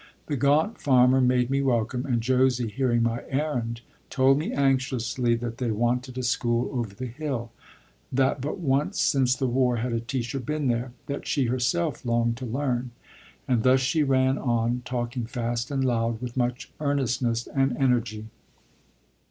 The gaunt farmer made me welcome, and Josie, hearing my errand, told me anxiously that they wanted a school over the hill; that but once since the war had a teacher been there; that she herself longed to learn, and thus she ran on, talking fast and loud, with much earnestness and energy.